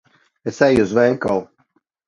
Es eju uz veikalu.